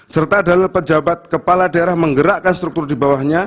serta adalah pejabat kepala daerah menggerakkan struktur di bawahnya